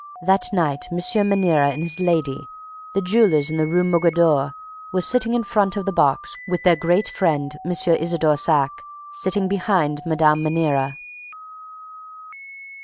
That night, M. Maniera and his lady, the jewelers in the Rue Mogador, were sitting in the front of the box, with their great friend, M. Isidore Saack, sitting behind Mme. Maniera.